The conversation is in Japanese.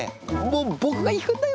僕が行くんだよ